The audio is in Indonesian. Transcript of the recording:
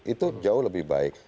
itu jauh lebih baik